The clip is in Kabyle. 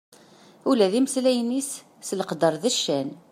Ula d imesllayen-is s leqder d ccan.